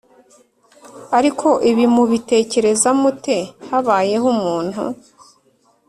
Ariko ibi mubitekereza mute Habayeho umuntu